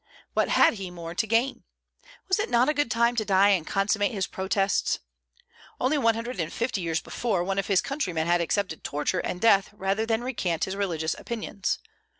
What had he more to gain? Was it not a good time to die and consummate his protests? Only one hundred and fifty years before, one of his countrymen had accepted torture and death rather than recant his religious opinions.